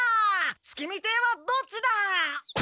月見亭はどっちだ！